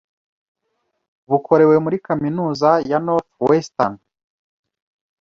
bukorewe muri kaminuza ya Northwestern